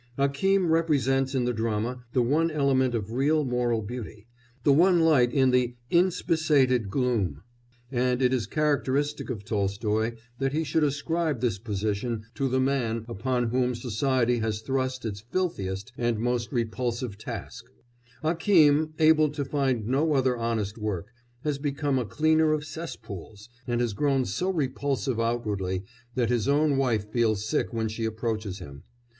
Akím represents in the drama the one element of real moral beauty, the one light in the "inspissated gloom," and it is characteristic of Tolstoy that he should ascribe this position to the man upon whom society has thrust its filthiest and most repulsive task; Akím, able to find no other honest work, has become a cleaner of cesspools, and has grown so repulsive outwardly that his own wife feels sick when she approaches him.